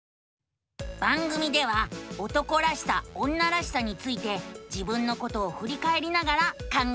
番組では「男らしさ女らしさ」について自分のことをふりかえりながら考えているのさ。